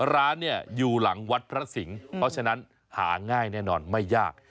ร้านเนี่ยอยู่หลังวัดพระสิงห์เพราะฉะนั้นหาง่ายแน่นอนไม่ยาก